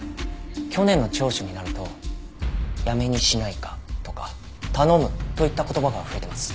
去年の聴取になると「やめにしないか」とか「頼む」といった言葉が増えてます。